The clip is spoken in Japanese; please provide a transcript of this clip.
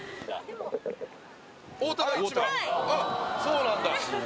あっそうなんだ。